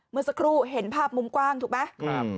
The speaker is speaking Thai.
เมื่อสักครู่เห็นภาพมุมกว้างถูกไหม